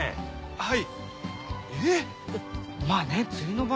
はい。